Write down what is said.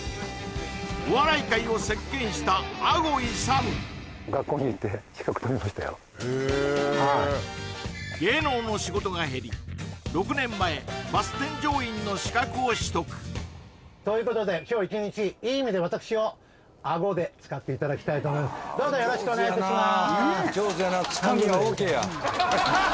お笑い界を席巻した芸能の仕事が減り６年前バス添乗員の資格を取得ということで今日１日いい意味で私をどうぞよろしくお願いいたします